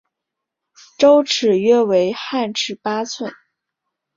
周尺约为汉尺八寸。